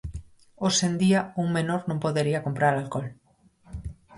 Hoxe en día, un menor non podería comprar alcohol.